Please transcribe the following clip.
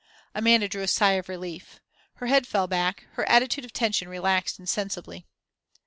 Amanda drew a sigh of relief. Her head fell back, her attitude of tension relaxed insensibly.